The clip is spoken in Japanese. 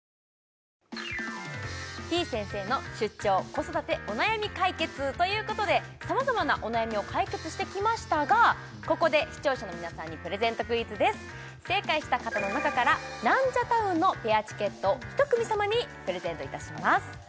子育てお悩み解決！ということで様々なお悩みを解決してきましたがここで視聴者の皆さんにプレゼントクイズです正解した方の中からナンジャタウンのペアチケット１組さまにプレゼントいたします